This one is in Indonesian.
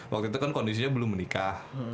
waktu itu kan kondisinya belum menikah